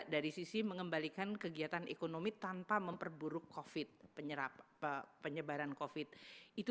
dari sisi mengembalikan kegiatan ekonomi tanpa memperburuk covid penyerap penyebaran covid itu